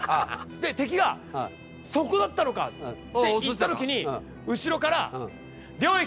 で敵が「そこだったのか！」って言った時に後ろから「領域展開！」別のヤツが。